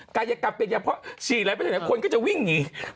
กายกรรมเปลี่ยนยางพอฉีนอะไรไปจากไหนคนก็จะวิ่งอย่างนี้